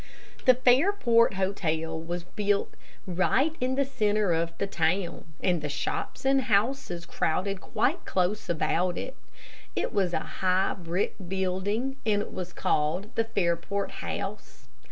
The Fairport hotel was built right in the centre of the town, and the shops and houses crowded quite close about it. It was a high, brick building, and it was called the Fairport House.